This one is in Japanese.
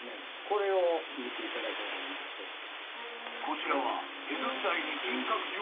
これを見ていただければいいんですけど。